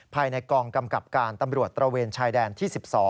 ภายในกองกำกับการตำรวจตระเวนชายแดนที่๑๒